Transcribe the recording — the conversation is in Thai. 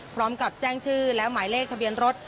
พร้อมกับแจ้งชื่อและหมายเลขทะเบียนรถ